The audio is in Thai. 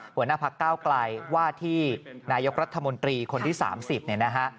หัวหน้าพักก้าวไกลว่าที่นายกรัฐมนตรีคนที่๓๐เนี่ยนะฮะ